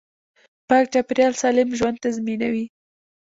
پاک چاپیریال سالم ژوند تضمینوي